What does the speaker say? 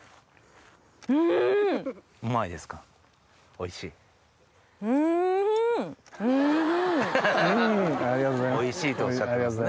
「おいしい」とおっしゃってますね。